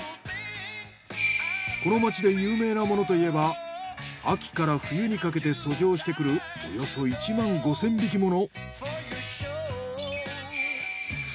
この町で有名なものといえば秋から冬にかけて上してくるおよそ１万５，０００匹もの。